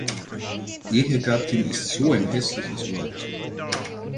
Ehegattin ist so ein hässliches Wort.